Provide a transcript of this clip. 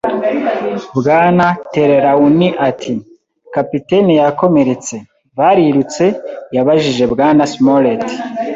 Bwana Trelawney ati: "Kapiteni yakomeretse." “Barirutse?” yabajije Bwana Smollett.